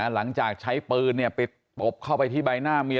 หลังจากใช้ปืนไปตบเข้าไปที่ใบหน้าเมีย